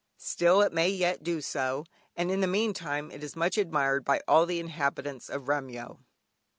Still, it may yet do so; and in the meantime it is much admired by all the inhabitants of Remyo.